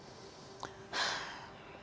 sudah saja berjumlah yang baik